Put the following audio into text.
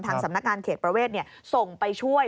ทางสำนักการณ์เขตประเวทส่งไปช่วย